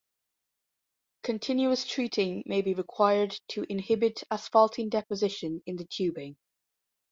Continuous treating may be required to inhibit asphaltene deposition in the tubing.